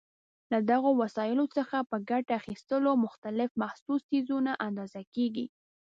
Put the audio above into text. له دغو وسایلو څخه په ګټې اخیستلو مختلف محسوس څیزونه اندازه کېږي.